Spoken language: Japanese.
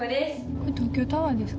これ東京タワーですか？